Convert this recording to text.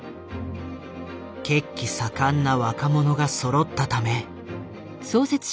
血気盛んな若者がそろったため。